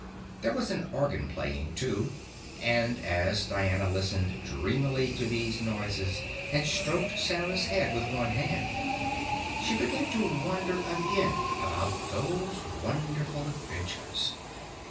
There was an organ playing too, and as Diana listened dreamily to these noises, and stroked Sarah's head with one hand, she began to wonder again about those wonderful adventures.